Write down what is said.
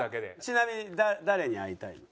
ちなみに誰に会いたいの？